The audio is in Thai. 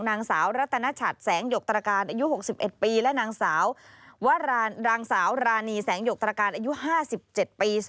นางสาวรัตนชัดแสงหยกตรการอายุ๖๑ปีและนางสาวรานีแสงหยกตรการอายุ๕๗ปี